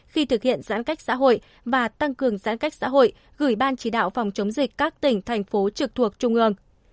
khi thực hiện giãn cách xã hội và tăng cường giãn cách xã hội gửi ban chỉ đạo phòng chống dịch các tỉnh thành phố trực thuộc trung ương